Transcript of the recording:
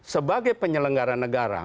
sebagai penyelenggara negara